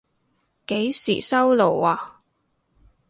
幾時收爐啊？